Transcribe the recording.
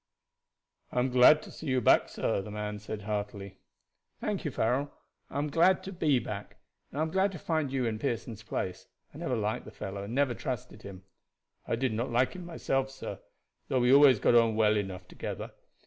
"I am glad to see you back, sir," the man said heartily. "Thank you, Farrell. I am glad to be back, and I am glad to find you in Pearson's place. I never liked the fellow, and never trusted him." "I did not like him myself, sir, though we always got on well enough together.